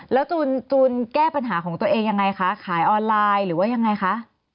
แล้วจูนแก้ปัญหาของตัวเองยังไงคะขายออนไลน์หรือว่ายังไงคะ